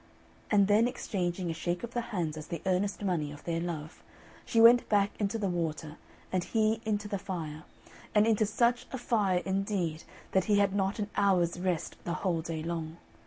And then exchanging a shake of the hands as the earnest money of their love, she went back into the water and he into the fire and into such a fire indeed that he had not an hour's rest the whole day long.